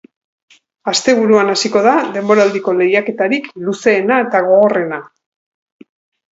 Asteburuan hasiko da denboraldiko lehiaketarik luzeena eta gogorrena.